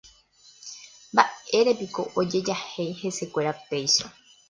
Mbaʼérepiko ojejahéi hesekuéra péicha.